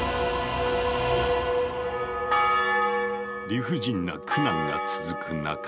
理不尽な苦難が続く中